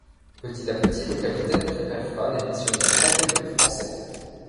Petit à petit le capitaine préféra les missionnaires catholiques français.